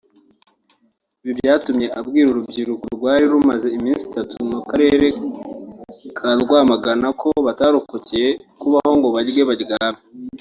Ibi byatumye abwira urubyiruko rwari rumaze iminsi itatu mu Karere ka Rwamagana ko batarokokeye kubaho ngo barye baryame